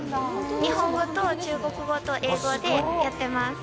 日本語と中国語と英語でやってます。